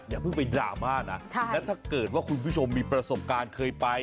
อย่าเพิ่งไปดราม่านะและถ้าเกิดว่าคุณผู้ชมมีประสบการณ์เคยไป